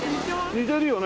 似てるよね？